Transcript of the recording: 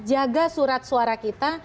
jaga surat suara kita